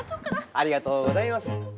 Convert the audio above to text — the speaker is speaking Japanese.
ありがとうございます。